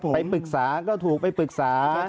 ไปปรึกษาก็ถูกไปปรึกษา